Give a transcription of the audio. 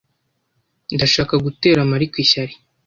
Ndashaka gutera Mariko ishyari.